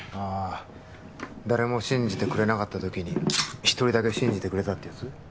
あ誰も信じてくれなかったときに一人だけ信じてくれたってやつ？